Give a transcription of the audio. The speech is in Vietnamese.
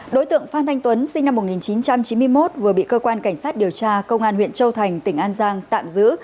đối tượng phan thanh tuấn sinh năm một nghìn chín trăm chín mươi một vừa bị cơ quan cảnh sát điều tra công an huyện châu thành tỉnh an giang tạm giữ